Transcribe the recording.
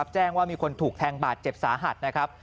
แจ้งว่ามีคนถูกแทงบาดเจ็บสาหัสนะครับ